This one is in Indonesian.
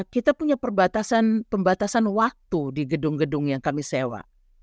kita punya pembatasan waktu di gedung gedung yang kami sewa